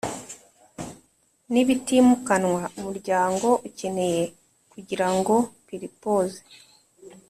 n ibitimukanwa Umuryango ukeneye kugirango purpose